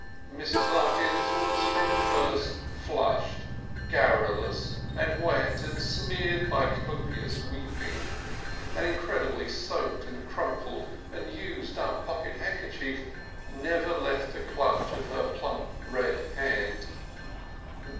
Mrs. Larkins was from the first flushed, garrulous, and wet and smeared by copious weeping; an incredibly soaked and crumpled and used up pocket handkerchief never left the clutch of her plump red hand.